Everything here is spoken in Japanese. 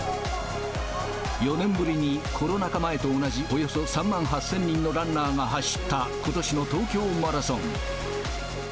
４年ぶりにコロナ禍前と同じおよそ３万８０００人のランナーが走った、ことしの東京マラソン。